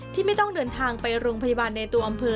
ที่ไม่ต้องเดินทางไปโรงพยาบาลในตัวอำเภอ